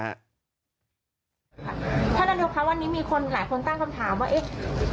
ข้างแถวนี้มีคนหลายคนกล้างคำถามว่าเอ๊ะ